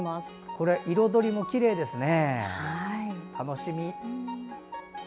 これ彩りもきれいですね。